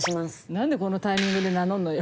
何でこのタイミングで名乗んのよ。